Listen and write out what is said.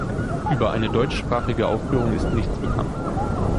Über eine deutschsprachige Aufführung ist nichts bekannt.